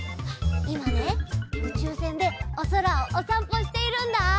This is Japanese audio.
いまねうちゅうせんでおそらをおさんぽしているんだ。